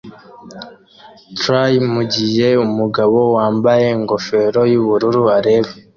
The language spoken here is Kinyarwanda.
tray mugihe umugabo wambaye ingofero yubururu areba